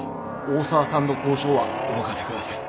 大沢さんの交渉はお任せください。